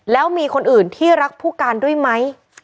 แล้วมีคนอื่นที่รักผู้การด้วยไหม